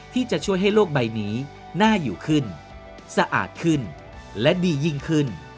ที่จะช่วยให้โลกใบนี้น่าอยู่ขึ้นสะอาดขึ้นและดียิ่งขึ้น